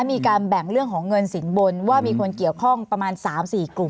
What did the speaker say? มีการแบ่งเรื่องของเงินสินบนว่ามีคนเกี่ยวข้องประมาณ๓๔กลุ่ม